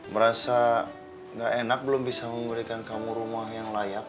merasa gak enak belum bisa memberikan kamu rumah yang layak